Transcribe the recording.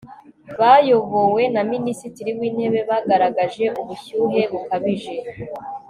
bayobowe na minisitiri w'intebe bagaragaje ubushyuhe bukabije